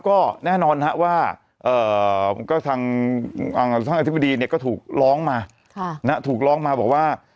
ก็แน่นอนนะครับว่าก็ทางอธิบดีเนี่ยก็ถูกล้องมาถูกล้องมาบอกว่า